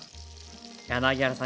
柳原さん